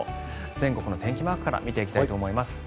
全国の天気マークから見ていきたいと思います。